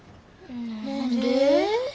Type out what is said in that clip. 何で？